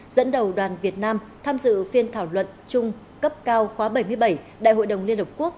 dẫn đầu đoàn việt nam tham dự phiên thảo luận chung cấp cao khóa bảy mươi bảy đại hội đồng liên hợp quốc